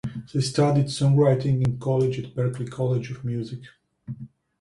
They studied songwriting in college at Berklee College of Music.